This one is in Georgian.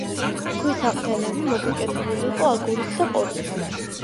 ქვის საყრდენები მოპირკეთებული იყო აგურით და ყორის ქვით.